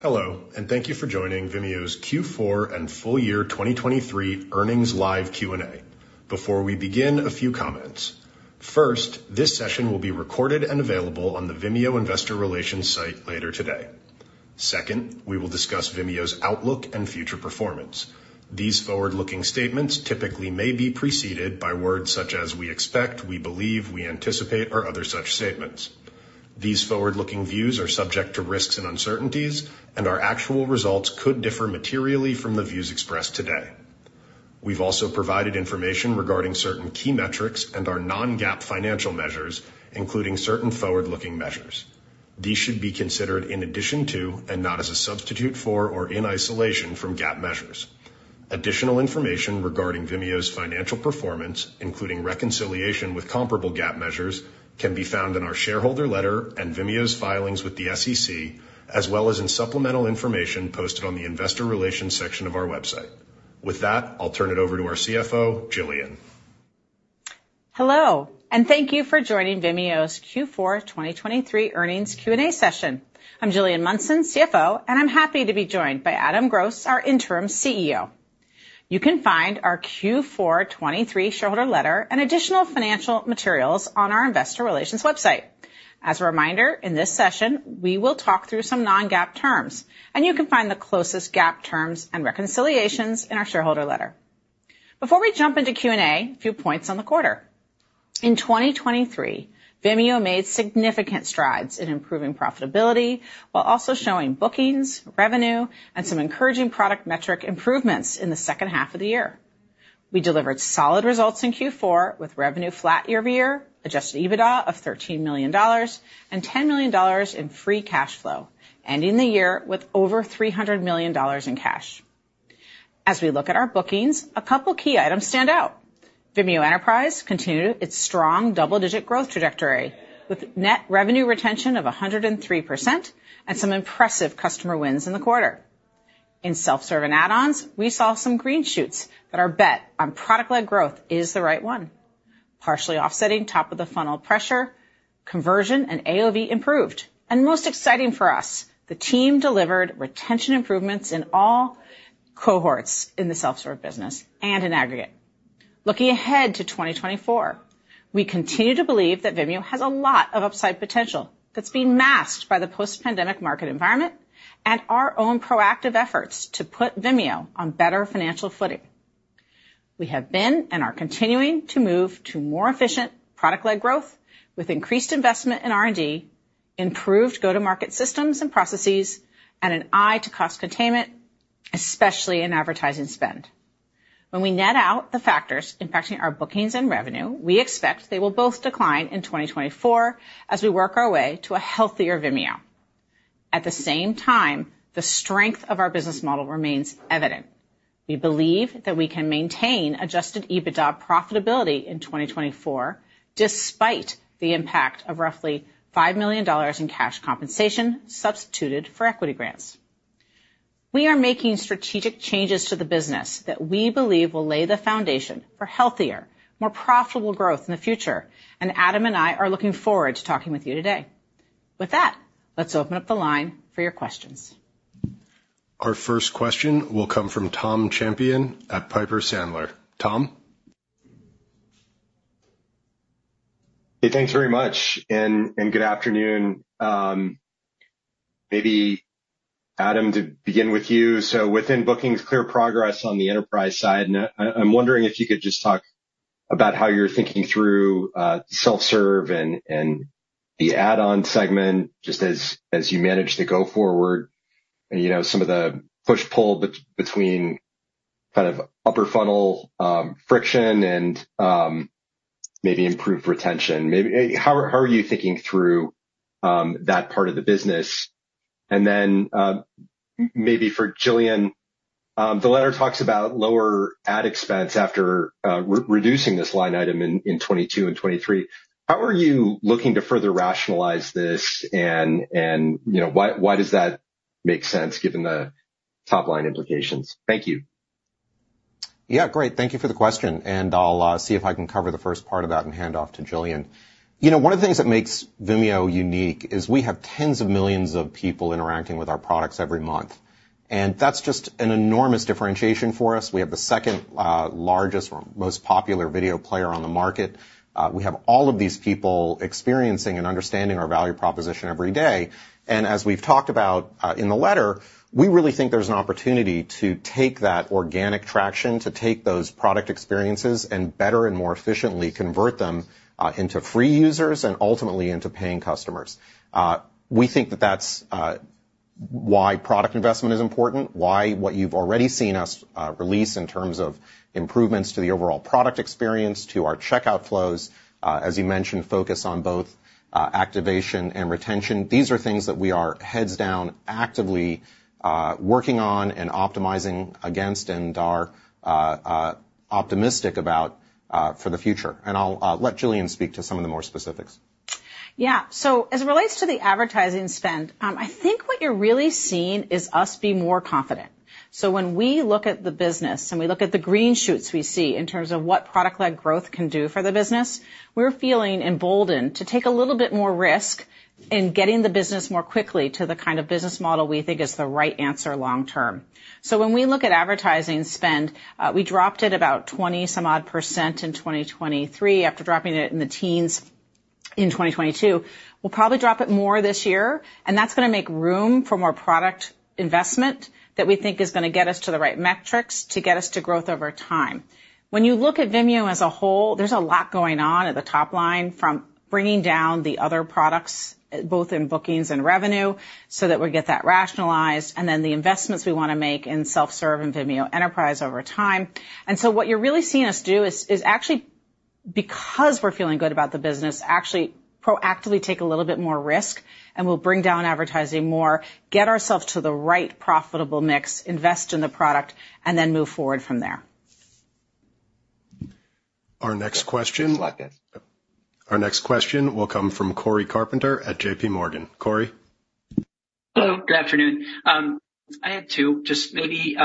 Hello, and thank you for joining Vimeo's Q4 and full-year 2023 earnings live Q&A. Before we begin, a few comments. First, this session will be recorded and available on the Vimeo Investor Relations site later today. Second, we will discuss Vimeo's outlook and future performance. These forward-looking statements typically may be preceded by words such as "we expect," "we believe," "we anticipate," or other such statements. These forward-looking views are subject to risks and uncertainties, and our actual results could differ materially from the views expressed today. We've also provided information regarding certain key metrics and our non-GAAP financial measures, including certain forward-looking measures. These should be considered in addition to and not as a substitute for or in isolation from GAAP measures. Additional information regarding Vimeo's financial performance, including reconciliation with comparable GAAP measures, can be found in our shareholder letter and Vimeo's filings with the SEC, as well as in supplemental information posted on the Investor Relations section of our website. With that, I'll turn it over to our CFO, Gillian. Hello, and thank you for joining Vimeo's Q4 2023 earnings Q&A session. I'm Gillian Munson, CFO, and I'm happy to be joined by Adam Gross, our Interim CEO. You can find our Q4 2023 shareholder letter and additional financial materials on our Investor Relations website. As a reminder, in this session, we will talk through some non-GAAP terms, and you can find the closest GAAP terms and reconciliations in our shareholder letter. Before we jump into Q&A, a few points on the quarter. In 2023, Vimeo made significant strides in improving profitability while also showing bookings, revenue, and some encouraging product metric improvements in the second half of the year. We delivered solid results in Q4 with revenue flat year-over-year, Adjusted EBITDA of $13 million, and $10 million in free cash flow, ending the year with over $300 million in cash. As we look at our bookings, a couple key items stand out. Vimeo Enterprise continued its strong double-digit growth trajectory with net revenue retention of 103% and some impressive customer wins in the quarter. In self-serve add-ons, we saw some green shoots that our bet on product-led growth is the right one, partially offsetting top-of-the-funnel pressure, conversion and AOV improved, and most exciting for us, the team delivered retention improvements in all cohorts in the self-serve business and in aggregate. Looking ahead to 2024, we continue to believe that Vimeo has a lot of upside potential that's been masked by the post-pandemic market environment and our own proactive efforts to put Vimeo on better financial footing. We have been and are continuing to move to more efficient product-led growth with increased investment in R&D, improved go-to-market systems and processes, and an eye to cost containment, especially in advertising spend. When we net out the factors impacting our bookings and revenue, we expect they will both decline in 2024 as we work our way to a healthier Vimeo. At the same time, the strength of our business model remains evident. We believe that we can maintain Adjusted EBITDA profitability in 2024 despite the impact of roughly $5 million in cash compensation substituted for equity grants. We are making strategic changes to the business that we believe will lay the foundation for healthier, more profitable growth in the future, and Adam and I are looking forward to talking with you today. With that, let's open up the line for your questions. Our first question will come from Tom Champion at Piper Sandler. Tom? Hey, thanks very much and good afternoon. Maybe, Adam, to begin with you. So within bookings, clear progress on the enterprise side, I'm wondering if you could just talk about how you're thinking through self-serve and the add-on segment just as you manage to go forward, some of the push-pull between kind of upper-funnel friction and maybe improved retention. How are you thinking through that part of the business? And then maybe for Gillian, the letter talks about lower ad expense after reducing this line item in 2022 and 2023. How are you looking to further rationalize this, and why does that make sense given the top-line implications? Thank you. Yeah, great. Thank you for the question, and I'll see if I can cover the first part of that and hand off to Gillian. One of the things that makes Vimeo unique is we have tens of millions of people interacting with our products every month, and that's just an enormous differentiation for us. We have the second largest or most popular video player on the market. We have all of these people experiencing and understanding our value proposition every day. And as we've talked about in the letter, we really think there's an opportunity to take that organic traction, to take those product experiences, and better and more efficiently convert them into free users and ultimately into paying customers. We think that that's why product investment is important, why what you've already seen us release in terms of improvements to the overall product experience, to our checkout flows. As you mentioned, focus on both activation and retention. These are things that we are heads down actively working on and optimizing against and are optimistic about for the future. And I'll let Gillian speak to some of the more specifics. Yeah. So as it relates to the advertising spend, I think what you're really seeing is us be more confident. So when we look at the business and we look at the green shoots we see in terms of what product-led growth can do for the business, we're feeling emboldened to take a little bit more risk in getting the business more quickly to the kind of business model we think is the right answer long term. So when we look at advertising spend, we dropped it about 20-some-od percent in 2023 after dropping it in the teens in 2022. We'll probably drop it more this year, and that's going to make room for more product investment that we think is going to get us to the right metrics to get us to growth over time. When you look at Vimeo as a whole, there's a lot going on at the top line from bringing down the other products, both in bookings and revenue, so that we get that rationalized, and then the investments we want to make in self-serve and Vimeo Enterprise over time. And so what you're really seeing us do is actually, because we're feeling good about the business, actually proactively take a little bit more risk, and we'll bring down advertising more, get ourselves to the right profitable mix, invest in the product, and then move forward from there. Our next question will come from Cory Carpenter at JPMorgan. Corey? Hello. Good afternoon. I had two. Just maybe,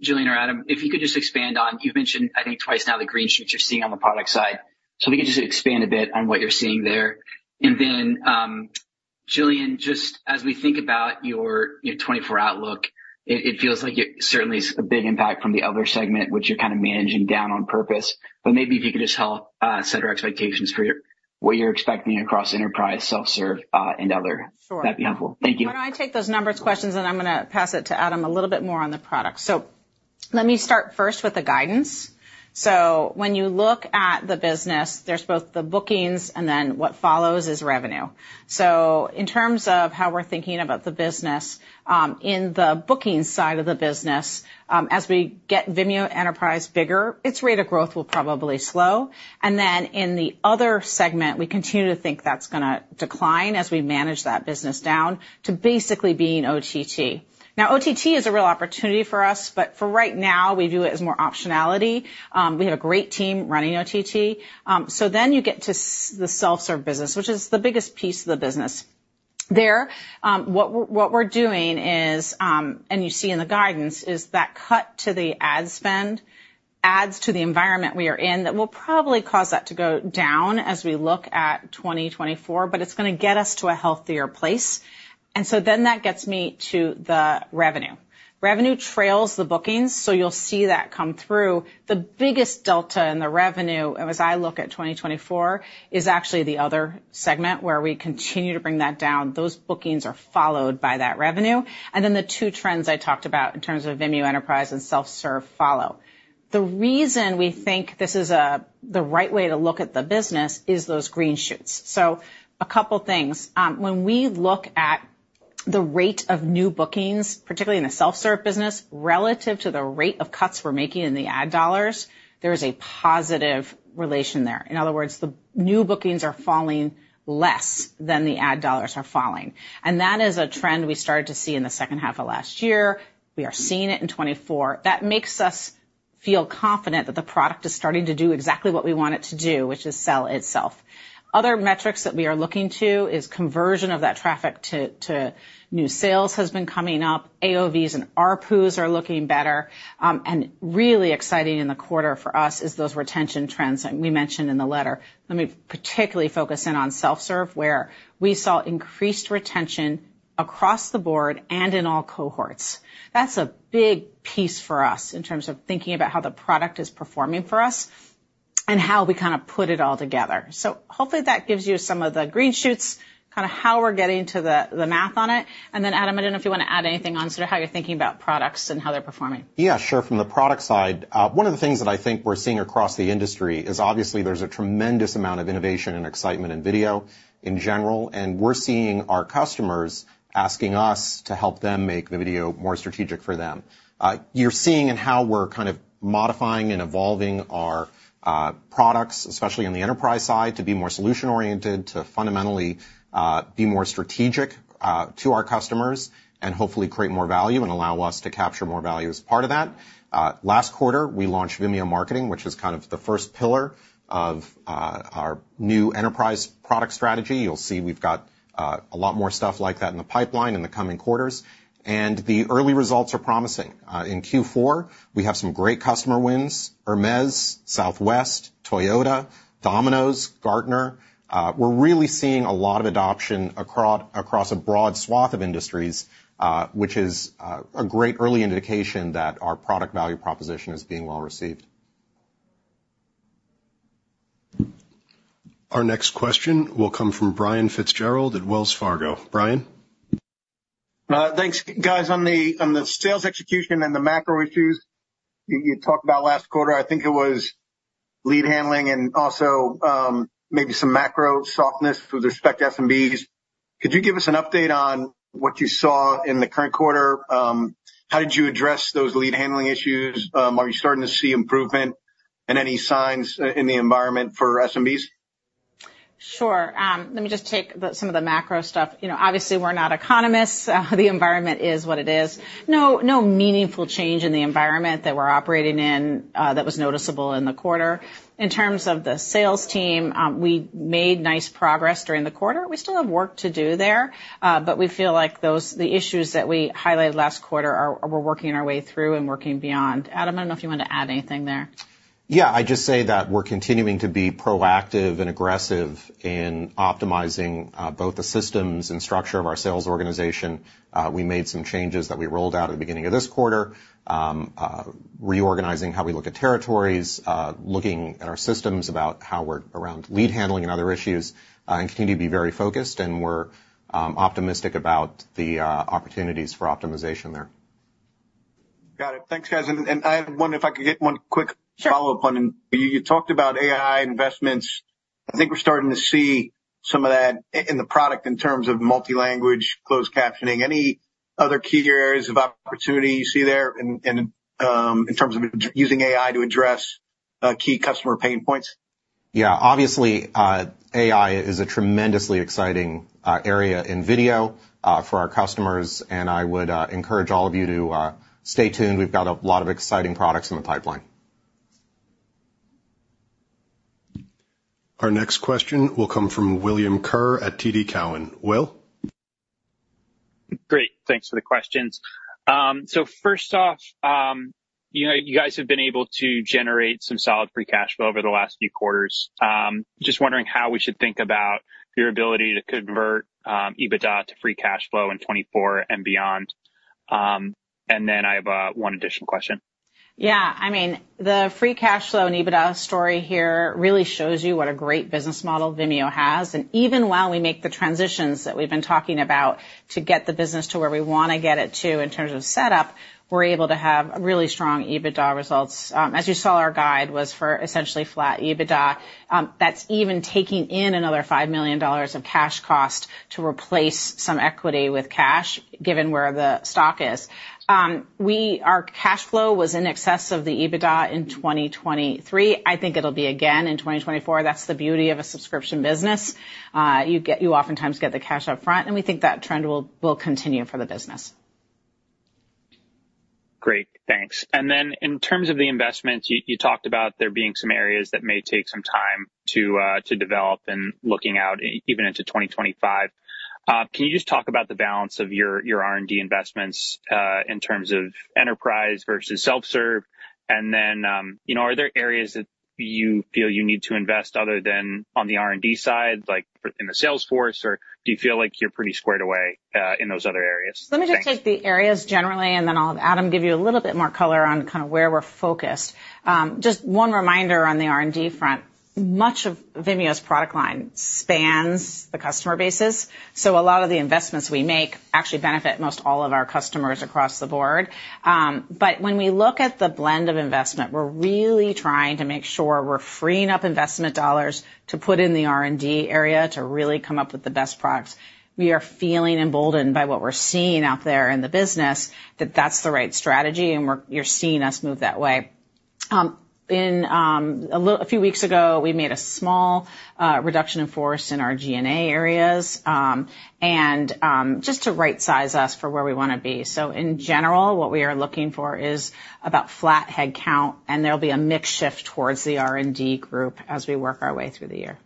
Gillian or Adam, if you could just expand on you've mentioned, I think, twice now the green shoots you're seeing on the product side. So if we could just expand a bit on what you're seeing there. And then, Gillian, just as we think about your 2024 outlook, it feels like it certainly is a big impact from the other segment, which you're kind of managing down on purpose. But maybe if you could just help set our expectations for what you're expecting across enterprise, self-serve, and other, that'd be helpful. Thank you. Sure. Why don't I take those numbers questions, and I'm going to pass it to Adam a little bit more on the product. So let me start first with the guidance. So when you look at the business, there's both the bookings, and then what follows is revenue. So in terms of how we're thinking about the business, in the bookings side of the business, as we get Vimeo Enterprise bigger, its rate of growth will probably slow. And then in the other segment, we continue to think that's going to decline as we manage that business down to basically being OTT. Now, OTT is a real opportunity for us, but for right now, we view it as more optionality. We have a great team running OTT. So then you get to the self-serve business, which is the biggest piece of the business. There, what we're doing is, and you see in the guidance, is that cut to the ad spend adds to the environment we are in that will probably cause that to go down as we look at 2024, but it's going to get us to a healthier place. And so then that gets me to the revenue. Revenue trails the bookings, so you'll see that come through. The biggest delta in the revenue, as I look at 2024, is actually the other segment where we continue to bring that down. Those bookings are followed by that revenue. And then the two trends I talked about in terms of Vimeo Enterprise and self-serve follow. The reason we think this is the right way to look at the business is those green shoots. So a couple things. When we look at the rate of new bookings, particularly in the self-serve business, relative to the rate of cuts we're making in the ad dollars, there is a positive relation there. In other words, the new bookings are falling less than the ad dollars are falling. And that is a trend we started to see in the second half of last year. We are seeing it in 2024. That makes us feel confident that the product is starting to do exactly what we want it to do, which is sell itself. Other metrics that we are looking to is conversion of that traffic to new sales has been coming up. AOVs and RPUs are looking better. And really exciting in the quarter for us is those retention trends that we mentioned in the letter. Let me particularly focus in on self-serve, where we saw increased retention across the board and in all cohorts. That's a big piece for us in terms of thinking about how the product is performing for us and how we kind of put it all together. So hopefully, that gives you some of the green shoots, kind of how we're getting to the math on it. And then, Adam, I don't know if you want to add anything on sort of how you're thinking about products and how they're performing. Yeah, sure. From the product side, one of the things that I think we're seeing across the industry is obviously there's a tremendous amount of innovation and excitement in video in general, and we're seeing our customers asking us to help them make the video more strategic for them. You're seeing in how we're kind of modifying and evolving our products, especially on the enterprise side, to be more solution-oriented, to fundamentally be more strategic to our customers, and hopefully create more value and allow us to capture more value as part of that. Last quarter, we launched Vimeo Marketing, which is kind of the first pillar of our new enterprise product strategy. You'll see we've got a lot more stuff like that in the pipeline in the coming quarters. The early results are promising. In Q4, we have some great customer wins: Hermès, Southwest, Toyota, Domino's, Gartner. We're really seeing a lot of adoption across a broad swath of industries, which is a great early indication that our product value proposition is being well received. Our next question will come from Brian Fitzgerald at Wells Fargo. Brian? Thanks. Guys, on the sales execution and the macro issues you talked about last quarter, I think it was lead handling and also maybe some macro softness with respect to SMBs. Could you give us an update on what you saw in the current quarter? How did you address those lead handling issues? Are you starting to see improvement and any signs in the environment for SMBs? Sure. Let me just take some of the macro stuff. Obviously, we're not economists. The environment is what it is. No meaningful change in the environment that we're operating in that was noticeable in the quarter. In terms of the sales team, we made nice progress during the quarter. We still have work to do there, but we feel like the issues that we highlighted last quarter we're working our way through and working beyond. Adam, I don't know if you want to add anything there. Yeah. I'd just say that we're continuing to be proactive and aggressive in optimizing both the systems and structure of our sales organization. We made some changes that we rolled out at the beginning of this quarter, reorganizing how we look at territories, looking at our systems about how we're around lead handling and other issues, and continue to be very focused. And we're optimistic about the opportunities for optimization there. Got it. Thanks, guys. I had wondered if I could get one quick follow-up on it. You talked about AI investments. I think we're starting to see some of that in the product in terms of multilanguage closed captioning. Any other key areas of opportunity you see there in terms of using AI to address key customer pain points? Yeah. Obviously, AI is a tremendously exciting area in video for our customers, and I would encourage all of you to stay tuned. We've got a lot of exciting products in the pipeline. Our next question will come from William Kerr at TD Cowen. Will? Great. Thanks for the questions. So first off, you guys have been able to generate some solid free cash flow over the last few quarters. Just wondering how we should think about your ability to convert EBITDA to free cash flow in 2024 and beyond. And then I have one additional question. Yeah. I mean, the free cash flow and EBITDA story here really shows you what a great business model Vimeo has. Even while we make the transitions that we've been talking about to get the business to where we want to get it to in terms of setup, we're able to have really strong EBITDA results. As you saw, our guide was for essentially flat EBITDA. That's even taking in another $5 million of cash cost to replace some equity with cash, given where the stock is. Our cash flow was in excess of the EBITDA in 2023. I think it'll be again in 2024. That's the beauty of a subscription business. You oftentimes get the cash upfront, and we think that trend will continue for the business. Great. Thanks. And then in terms of the investments, you talked about there being some areas that may take some time to develop and looking out even into 2025. Can you just talk about the balance of your R&D investments in terms of enterprise versus self-serve? And then are there areas that you feel you need to invest other than on the R&D side, like in the sales force, or do you feel like you're pretty squared away in those other areas? Let me just take the areas generally, and then I'll have Adam give you a little bit more color on kind of where we're focused. Just one reminder on the R&D front. Much of Vimeo's product line spans the customer bases, so a lot of the investments we make actually benefit most all of our customers across the board. But when we look at the blend of investment, we're really trying to make sure we're freeing up investment dollars to put in the R&D area to really come up with the best products. We are feeling emboldened by what we're seeing out there in the business that that's the right strategy, and you're seeing us move that way. A few weeks ago, we made a small reduction enforced in our G&A areas just to right-size us for where we want to be. In general, what we are looking for is about flat headcount, and there'll be a mix shift towards the R&D group as we work our way through the year.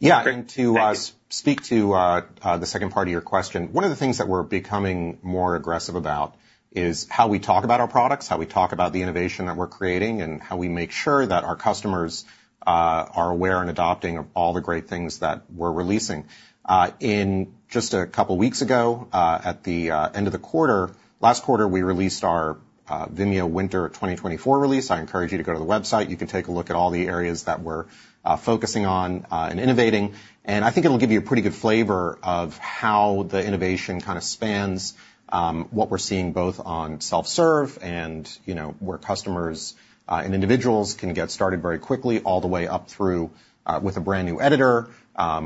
Yeah. I'm going to speak to the second part of your question. One of the things that we're becoming more aggressive about is how we talk about our products, how we talk about the innovation that we're creating, and how we make sure that our customers are aware and adopting all the great things that we're releasing. Just a couple weeks ago at the end of the quarter, last quarter, we released our Vimeo Winter 2024 release. I encourage you to go to the website. You can take a look at all the areas that we're focusing on and innovating. I think it'll give you a pretty good flavor of how the innovation kind of spans what we're seeing both on self-serve and where customers and individuals can get started very quickly, all the way up through with a brand new editor,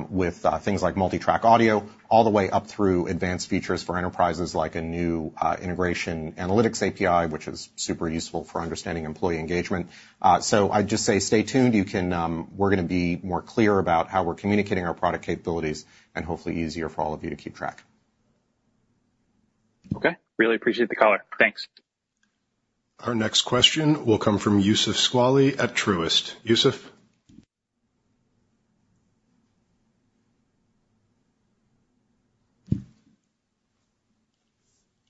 with things like multitrack audio, all the way up through advanced features for enterprises like a new integration analytics API, which is super useful for understanding employee engagement. I'd just say stay tuned. We're going to be more clear about how we're communicating our product capabilities and hopefully easier for all of you to keep track. Okay. Really appreciate the caller. Thanks. Our next question will come from Youssef Squali at Truist. Youssef?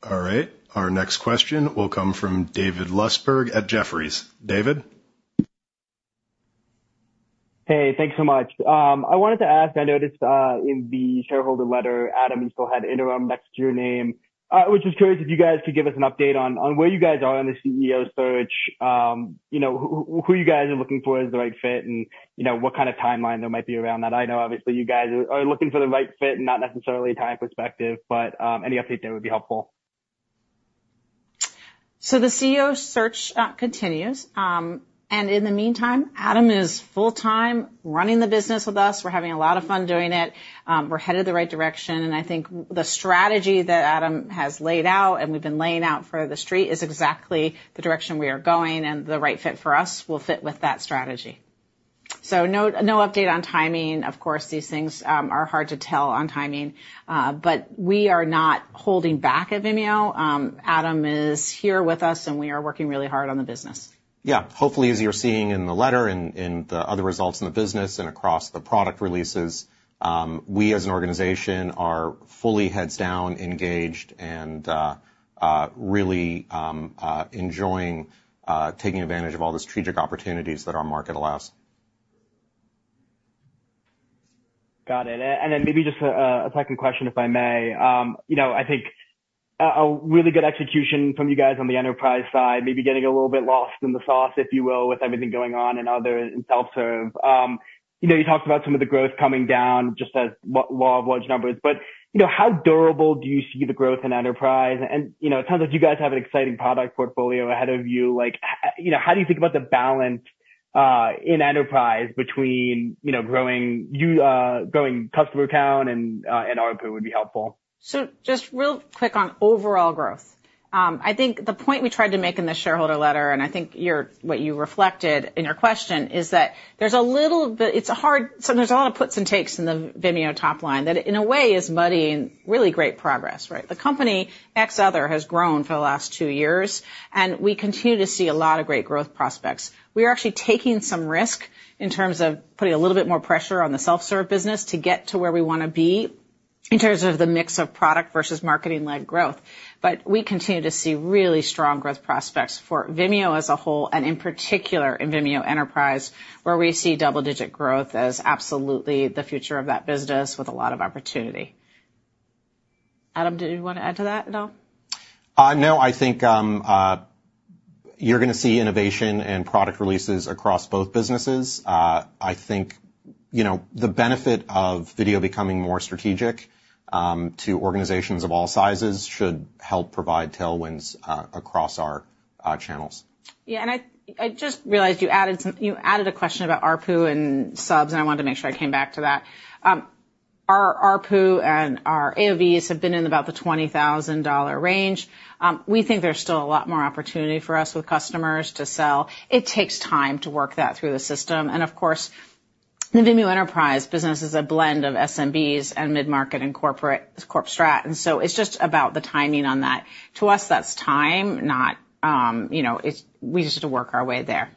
All right. Our next question will come from David Lustberg at Jefferies. David? Hey. Thanks so much. I wanted to ask. I noticed in the shareholder letter, Adam, he still had Interim next to your name. I was just curious if you guys could give us an update on where you guys are on the CEO search, who you guys are looking for as the right fit, and what kind of timeline there might be around that. I know, obviously, you guys are looking for the right fit and not necessarily a time perspective, but any update there would be helpful. The CEO search continues. In the meantime, Adam is full-time running the business with us. We're having a lot of fun doing it. We're headed the right direction. I think the strategy that Adam has laid out and we've been laying out for the street is exactly the direction we are going, and the right fit for us will fit with that strategy. No update on timing. Of course, these things are hard to tell on timing, but we are not holding back at Vimeo. Adam is here with us, and we are working really hard on the business. Yeah. Hopefully, as you're seeing in the letter and the other results in the business and across the product releases, we as an organization are fully heads down engaged and really enjoying taking advantage of all the strategic opportunities that our market allows. Got it. And then maybe just a second question, if I may. I think a really good execution from you guys on the enterprise side, maybe getting a little bit lost in the sauce, if you will, with everything going on in self-serve. You talked about some of the growth coming down just as law of large numbers. But how durable do you see the growth in enterprise? And it sounds like you guys have an exciting product portfolio ahead of you. How do you think about the balance in enterprise between growing customer count and RPU? Would be helpful. So just real quick on overall growth. I think the point we tried to make in the shareholder letter, and I think what you reflected in your question, is that there's a little bit—it's hard. So there's a lot of puts and takes in the Vimeo top line that, in a way, is muddying really great progress, right? The core and other has grown for the last two years, and we continue to see a lot of great growth prospects. We are actually taking some risk in terms of putting a little bit more pressure on the self-serve business to get to where we want to be in terms of the mix of product versus marketing-led growth. But we continue to see really strong growth prospects for Vimeo as a whole and, in particular, in Vimeo Enterprise, where we see double-digit growth as absolutely the future of that business with a lot of opportunity. Adam, did you want to add to that at all? No. I think you're going to see innovation and product releases across both businesses. I think the benefit of video becoming more strategic to organizations of all sizes should help provide tailwinds across our channels. Yeah. And I just realized you added a question about RPU and subs, and I wanted to make sure I came back to that. Our RPU and our AOVs have been in about the $20,000 range. We think there's still a lot more opportunity for us with customers to sell. It takes time to work that through the system. And of course, the Vimeo Enterprise business is a blend of SMBs and mid-market and corporate strat. And so it's just about the timing on that. To us, that's time. We just have to work our way there.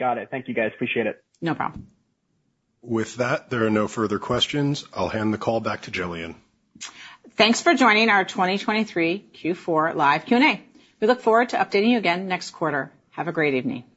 Got it. Thank you, guys. Appreciate it. No problem. With that, there are no further questions. I'll hand the call back to Gillian. Thanks for joining our 2023 Q4 live Q&A. We look forward to updating you again next quarter. Have a great evening.